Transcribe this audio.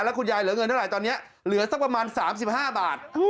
แล้วคุณยายเหลือเงินเท่าไหร่ตอนนี้เหลือสักประมาณ๓๕บาท